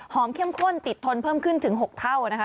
หอมเข้มข้นติดทนเพิ่มขึ้นถึง๖เท่า